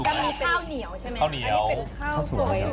จะมีข้าวเหนียวใช่ไหมอันนี้เป็นข้าวสวย